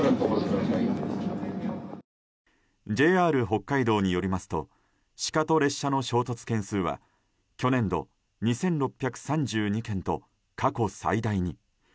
ＪＲ北海道によりますとシカと列車の衝突件数は去年度２６３２件と過去最大に。